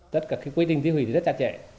tất cả quy định tiêu hủy thì rất chặt chẽ